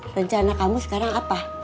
rencana kamu sekarang apa